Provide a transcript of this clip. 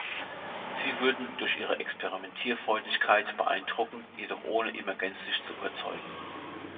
Sie würden „durch ihre Experimentierfreudigkeit“ „beeindrucken“, jedoch „ohne immer gänzlich zu überzeugen“.